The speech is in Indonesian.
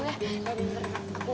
ke at melaburkan aku pada